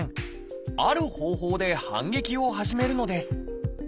ある方法で反撃を始めるのです。